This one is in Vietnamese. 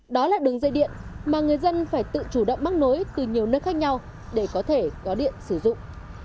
đó là đường dây điện mà người dân phải tự chủ động mắc nối từ nhiều nơi khác nhau để có thể có điện sử dụng